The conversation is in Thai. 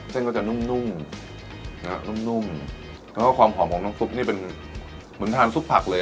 เส้นก็จะนุ่มนุ่มนุ่มแล้วก็ความหอมของน้ำซุปนี่เป็นเหมือนทานซุปผักเลย